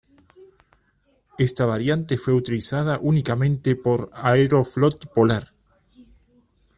Esta variante fue utilizada únicamente por Aeroflot-Polar.